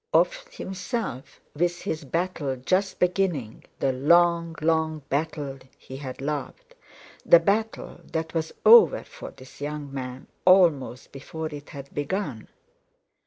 Of himself, with his battle just beginning, the long, long battle he had loved; the battle that was over for this young man almost before it had begun?